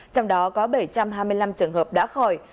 trong đó có bảy trăm hai mươi năm trường hợp đã khỏi